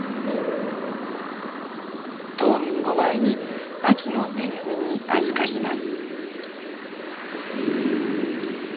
冬眠を前に秋の恵みにあずかります。